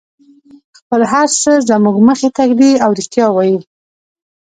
خپل هر څه زموږ مخې ته ږدي او رښتیا وایي.